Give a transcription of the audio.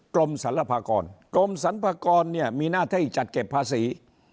กรมสรรพากรกรมสรรพากรเนี่ยมีหน้าที่จัดเก็บภาษี